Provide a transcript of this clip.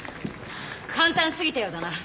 簡単すぎたようだな。